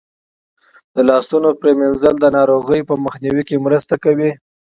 د لاسونو پریمنځل د ناروغیو په مخنیوي کې مرسته کوي.